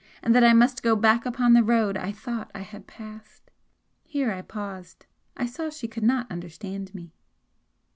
and that I must go back upon the road I thought I had passed " Here I paused. I saw she could not understand me.